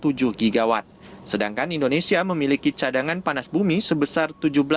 baru mencapai sekitar satu tujuh gigawatt sedangkan indonesia memiliki cadangan panas bumi sebesar